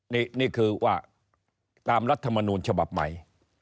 นี่คือว่าตามรัฐมนูลฉบับใหม่